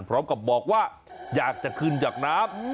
พร้อมกับบอกว่าอยากจะขึ้นจากน้ำ